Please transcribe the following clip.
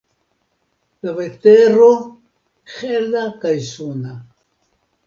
La vetero: hela kaj suna.